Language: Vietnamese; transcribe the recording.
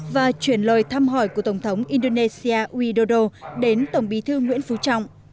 và chuyển lời thăm hỏi của tổng thống indonesia uy đô đô đến tổng bí thư nguyễn phú trọng